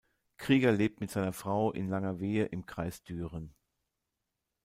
Krieger lebt mit seiner Frau in Langerwehe im Kreis Düren.